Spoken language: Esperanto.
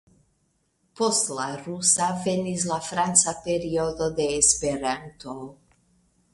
Post la Rusa venis la Franca periodo de Esperanto.